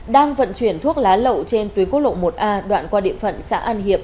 đang vận chuyển thuốc lá lậu trên tuyến quốc lộ một a đoạn qua địa phận xã an hiệp